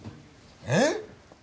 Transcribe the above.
えっ！？